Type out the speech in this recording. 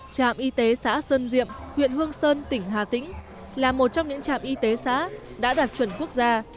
trạm y tế xã sơn diệm huyện hương sơn tỉnh hà tĩnh là một trong những trạm y tế xã đã đạt chuẩn quốc gia